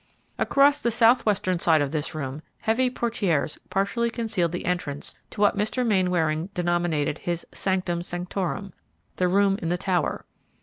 Across the southwestern side of this room heavy portieres partially concealed the entrance to what Mr. Mainwaring denominated his "sanctum sanctorum," the room in the tower.